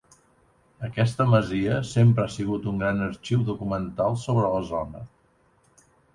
Aquesta masia sempre ha sigut un gran arxiu documental sobre la zona.